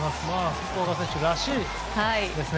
福岡選手らしいですね。